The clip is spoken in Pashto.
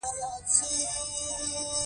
سردار مدد خان څلور لاری د کندهار مهمه سیمه ده.